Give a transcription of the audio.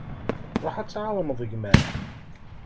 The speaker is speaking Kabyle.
Ruḥ ad tεawneḍ gma-m.